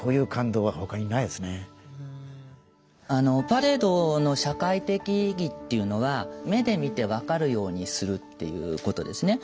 パレードの社会的意義っていうのは目で見て分かるようにするっていうことですね。